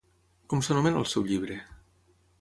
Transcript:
Com s'anomena el seu llibre?